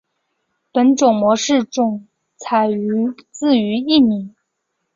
本种模式种采自于印尼。